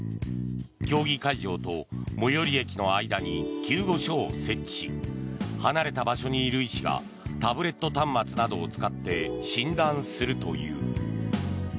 競技会場と最寄り駅の間に救護所を設置し離れた場所にいる医師がタブレット端末などを使って診断するという。